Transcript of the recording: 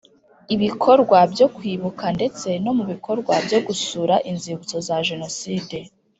ibikorwa byo kwibuka ndetse no mu bikorwa byo gusura inzibutso za Jenoside